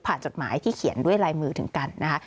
จดหมายที่เขียนด้วยลายมือถึงกันนะคะ